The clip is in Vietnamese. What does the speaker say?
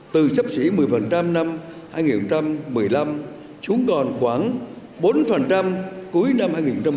từ sắp xỉ một mươi năm hai nghìn một mươi năm xuống còn khoảng bốn cuối năm hai nghìn một mươi bảy